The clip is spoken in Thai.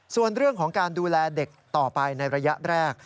ส่วนเรื่องของการดูแลเด็กต่อไปในระยะแรก